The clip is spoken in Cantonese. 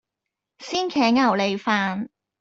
鮮茄牛脷飯